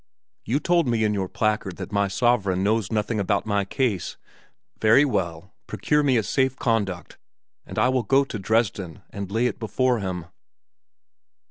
You told me in your placard that my sovereign knows nothing about my case. Very well; procure me a safe conduct and I will go to Dresden and lay it before him."